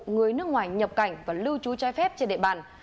người nước ngoài nhập cảnh và lưu trú trái phép trên địa bàn